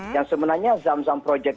yang sebenarnya zamzam project